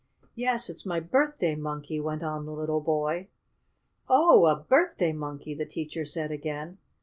"Yes. It's my birthday Monkey," went on the little boy. "Oh! A birthday monkey!" the teacher said again.